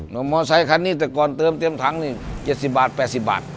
มอเซฮาคันนี้ถึง๗๐บาท๘๐บาท